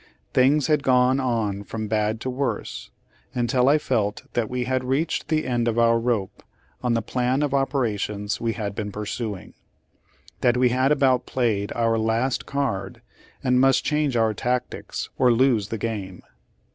Things had gone on from bad to worse, until I felt that we had reached the end of our rope on the plan of operations v/8 had been pursuing; that we had about played our last card, and must change our tactics, or lose the game!